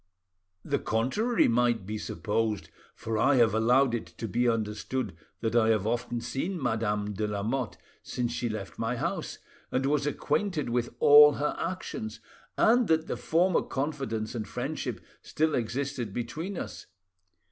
The contrary might be supposed; for I have allowed it to be understood that I have often seen Madame de Lamotte since she left my house, and was acquainted with all her actions, and that the former confidence and friendship still existed between us.